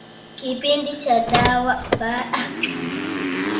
kipindi cha baada ya matumizi ya dawa hizo ni kifupi kuliko inavyotakiwa